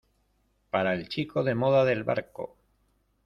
para el chico de moda del barco.